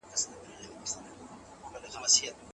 داړي ولوېدې د ښکار کیسه سوه پاته